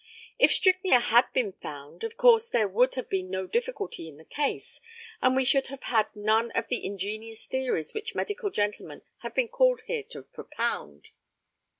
If strychnia had been found, of course there would have been no difficulty in the case, and we should have had none of the ingenious theories which medical gentlemen have been called here to propound.